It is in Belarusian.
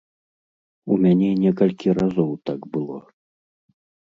У мяне некалькі разоў так было.